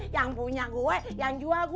yang punya gue yang jual gue